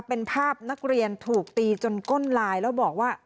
เป็นภาพนักเรียนถูกตีจนก้นลายแล้วบอกว่า